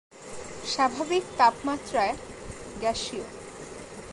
স্বাভাবিক তাপমাত্রায় গ্যাসীয়।